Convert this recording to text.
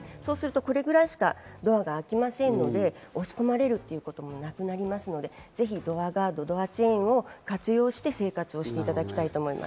これぐらいしかドアが開きませんので、押し込まれるということもなくなりますので、ぜひドアガード、チェーンを活用して生活していただきたいと思います。